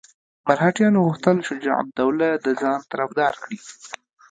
مرهټیانو غوښتل شجاع الدوله د ځان طرفدار کړي.